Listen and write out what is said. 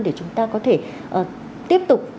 để chúng ta có thể tiếp tục